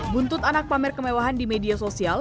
buntut anak pamer kemewahan di media sosial